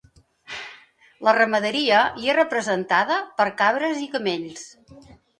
La ramaderia hi és representada per cabres i camells.